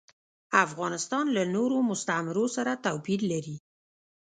افغانستان له نورو مستعمرو سره توپیر لري.